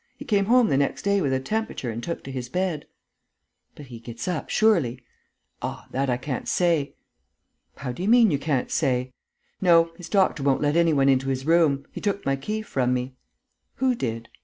He came home the next day with a temperature and took to his bed." "But he gets up, surely?" "Ah, that I can't say!" "How do you mean, you can't say?" "No, his doctor won't let any one into his room. He took my key from me." "Who did?"